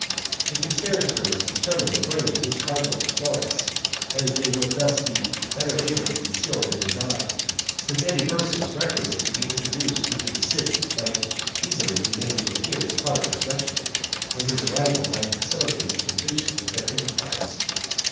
The conspirators determined to bring this cardinal to Florence, as they would thus be better able to conceal their design, since any persons requisite to be introduced into the city might easily be made to appear as a part of his retinue, and his arrival might facilitate the completion of their enterprise.